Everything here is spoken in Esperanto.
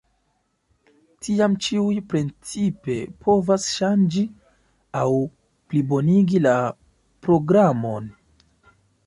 Tiam ĉiuj principe povas ŝanĝi aŭ plibonigi la programon.